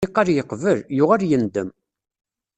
Niqal yeqbel, yuɣal yendem.